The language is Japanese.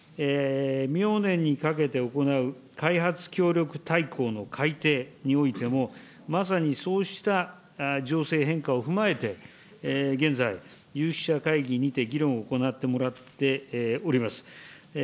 明年にかけて行う開発協力大綱の改訂においても、まさにそうした情勢変化を踏まえて、現在、有識者会議にて、議論を行ってもらっております。